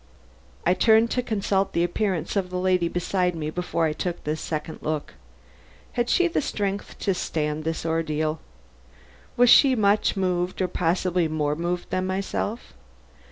I turned to consult the appearance of the lady beside me before I took this second look. Had she the strength to stand the ordeal? Was she as much moved or possibly more moved than myself?